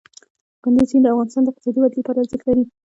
کندز سیند د افغانستان د اقتصادي ودې لپاره ارزښت لري.